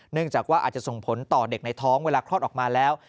เนื่องจากว่าจะส่งผลต่อเด็กในท้องเวลาครอสออกมาแล้ว